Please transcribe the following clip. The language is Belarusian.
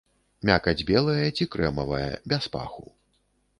Мякаць белая ці крэмавая, без паху.